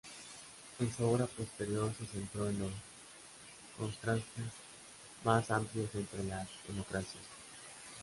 En su obra posterior se centró en los contrastes más amplios entre las democracias.